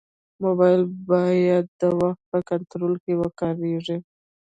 موبایل باید د وخت په کنټرول کې وکارېږي.